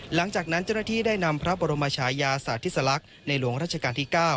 หลังจากนั้นเจ้าหน้าที่ได้นำพระบรมชายาสาธิสลักษณ์ในหลวงราชการที่๙